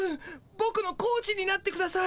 ボクのコーチになってください。